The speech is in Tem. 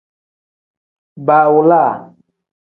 Baawolaa.